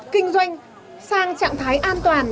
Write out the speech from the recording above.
kinh doanh sang trạng thái an toàn